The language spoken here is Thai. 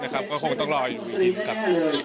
ก็คงต้องรออยู่จริง